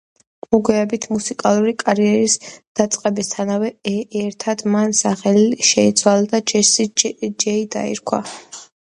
მოგვიანებით მუსიკალური კარიერის დაწყებასთან ერთად მან სახელი შეიცვალა და ჯესი ჯეი დაირქვა.